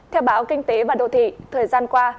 theo báo kinh tế và đô thị thời gian qua